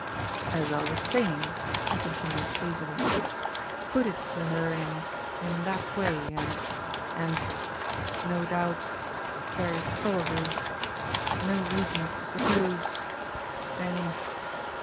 "As I was saying," he continued hazily, "put it to her in in that way, and and no doubt ... very probably ... no reason to suppose ... any...."